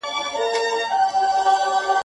د څيلې څه څه گيله؟